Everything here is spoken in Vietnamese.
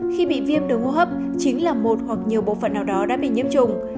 khi bị viêm đường hô hấp chính là một hoặc nhiều bộ phận nào đó đã bị nhiễm trùng